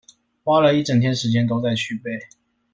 花了一整天時間都在去背